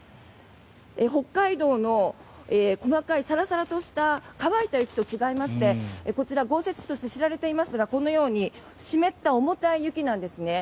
北海道の細かいサラサラとした乾いた雪と違いましてこちら、豪雪地として知られていますがこのように湿った重たい雪なんですね。